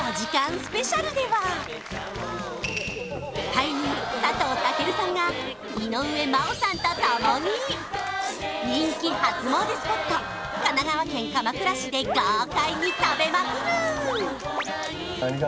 スペシャルでは俳優佐藤健さんが井上真央さんと共に人気初詣スポット神奈川県鎌倉市で豪快に食べまくる！